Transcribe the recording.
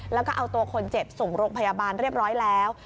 แล้วก็เอาตัวคนเจ็บส่งโรงพยาบาลเรียบร้อยแล้ว